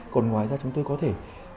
còn ngoài ra chúng tôi có thể